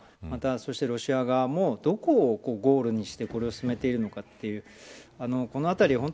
また、ロシア側もどこをゴールにしてこれを進めているのかというこのあたり